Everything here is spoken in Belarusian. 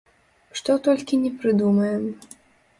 Што толькі не прыдумаем.